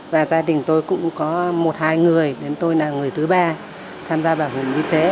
và gia đình tôi cũng có một hai người nên tôi là người thứ ba tham gia bảo hiểm y tế